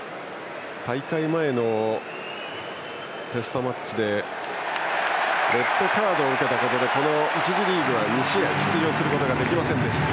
大会前のテストマッチでレッドカードを受けたことで１次リーグは２試合出場することができませんでした。